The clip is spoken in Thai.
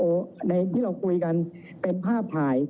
เรามีการปิดบันทึกจับกลุ่มเขาหรือหลังเกิดเหตุแล้วเนี่ย